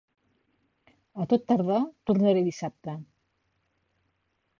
A tot tardar tornaré dissabte.